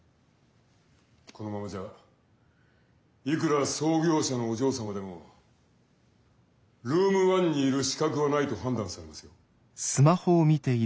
このままじゃいくら創業者のお嬢様でもルーム１にいる資格はないと判断されますよ。